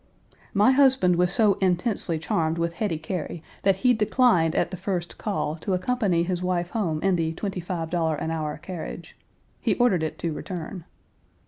My husband was so intensely charmed with Hetty Cary Page 275 that he declined at the first call to accompany his wife home in the twenty five dollar an hour carriage. He ordered it to return.